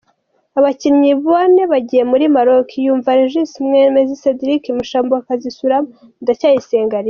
Abakinnyi bane bagiye muri Maroc ni Iyumva Regis, Mwemezi Cedrick, Mushambokazi Zurana Ndacyayisenga Aline.